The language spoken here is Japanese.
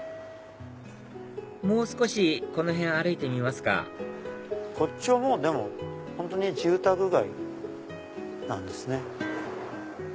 もう少しこの辺歩いてみますかこっちは本当に住宅街なんですね。